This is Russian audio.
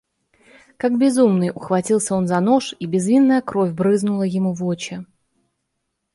Как безумный, ухватился он за нож, и безвинная кровь брызнула ему в очи